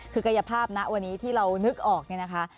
คือกายภาพณวันนี้ที่เรานึกออกเนี่ยนะคะ